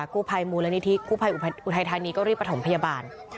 กู้ภัยมูลนิธิกู้ภัยอุทัยธานีก็รีบประถมพยาบาล